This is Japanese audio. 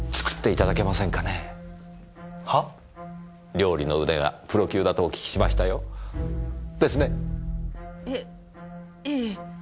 料理の腕がプロ級だとお聞きしましたよ。ですね？えええ。